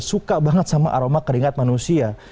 suka banget sama aroma keringat manusia